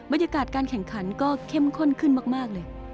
บรรยากาศการแข่งขันก็เข้มข้นขึ้นมากเลย